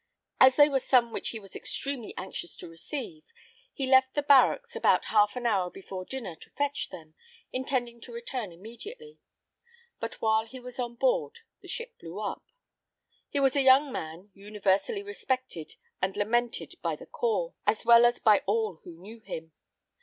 As they were some which he was extremely anxious to receive, he left the barracks about half an hour before dinner to fetch them, intending to return immediately; but while he was on board the ship blew up. He was a young man universally respected end lamented by the corps, as well as by all who knew him.